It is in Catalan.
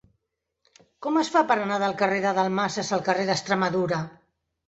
Com es fa per anar del carrer de Dalmases al carrer d'Extremadura?